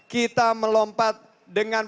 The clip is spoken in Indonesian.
kita melompat dengan